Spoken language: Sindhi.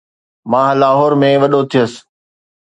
مان لاهور ۾ وڏو ٿيس